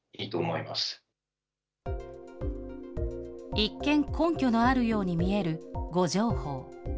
一見、根拠のあるように見える誤情報。